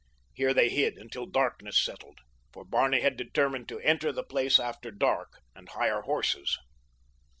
Here they hid until darkness settled, for Barney had determined to enter the place after dark and hire horses.